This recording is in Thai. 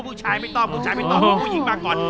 พอได้ไหม